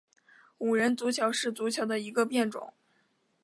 五人足球是足球的一个变种。